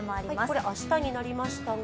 これ、明日になりましたが。